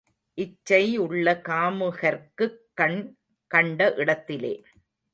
இச்சை உள்ள காமுகர்க்குக் கண் கண்ட இடத்திலே.